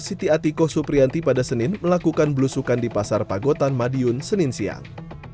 siti atiko suprianti pada senin melakukan belusukan di pasar pagotan madiun senin siang